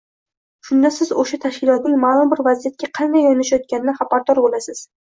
Shunda siz oʻsha tashkilotning maʼlum bir vaziyatga qanday yondashayotganidan xabardor bo'lasiz.